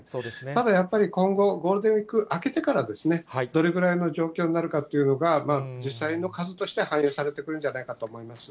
ただやっぱり、今後、ゴールデンウィーク明けてから、どれぐらいの状況になるかというのが、実際の数として反映されてくるのではないかと思います。